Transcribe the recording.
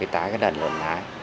tái đàn lợn lái